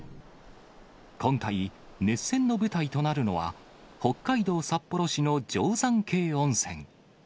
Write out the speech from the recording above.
今回、熱戦の舞台となるのは、北海道札幌市の定山渓温泉。